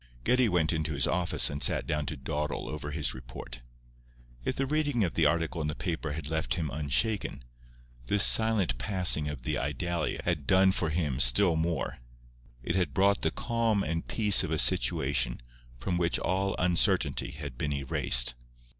Geddie went into his office and sat down to dawdle over his report. If the reading of the article in the paper had left him unshaken, this silent passing of the Idalia had done for him still more. It had brought the calm and peace of a situation from which all uncertainty had been erased.